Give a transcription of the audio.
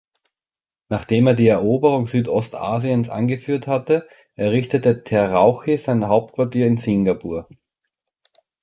Nachdem er die Eroberung Südostasiens angeführt hatte, errichtete Terauchi sein Hauptquartier in Singapur.